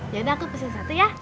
jadi aku pesen satu ya